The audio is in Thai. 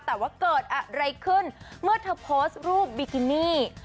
แต่ว่าเกิดอะไรขึ้นเมื่อเธอโพสต์รูปบิกินี่